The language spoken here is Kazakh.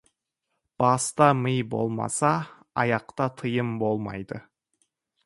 Баста ми болмаса, аяқта тыйым болмайды.